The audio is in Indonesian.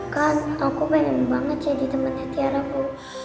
kan aku pengen banget jadi temannya tiara bu